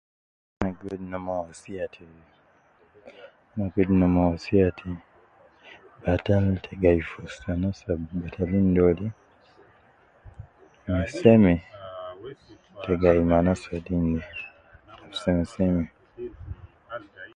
Mon ke wedi noomon wasiya te, mon ke wedi noomon wasiya te, batal te gai fi ustu anas ab batalin dole, me seme te gai me anas wadin de, anas ab seme